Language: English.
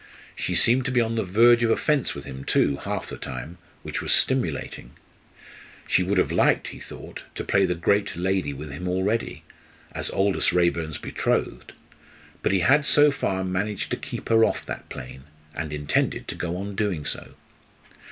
She seemed to be on the verge of offence with him too, half the time, which was stimulating. She would have liked, he thought, to play the great lady with him already, as Aldous Raeburn's betrothed. But he had so far managed to keep her off that plane and intended to go on doing so.